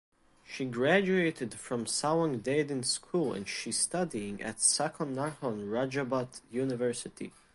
She graduated from Sawangdaendin School and she studying at Sakonnakhon Rajabhat University.